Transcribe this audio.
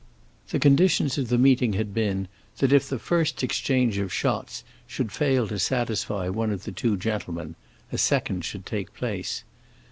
The conditions of the meeting had been that if the first exchange of shots should fail to satisfy one of the two gentlemen, a second should take place.